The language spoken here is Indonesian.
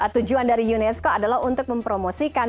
tujuan dari unesco adalah untuk mempromosikan